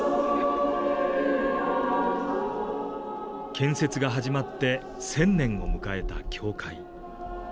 建設が始まって１０００年を迎えた教会。